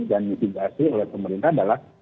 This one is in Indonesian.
dan mitigasi oleh pemerintah adalah